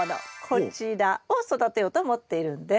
こちらを育てようと思っているんです。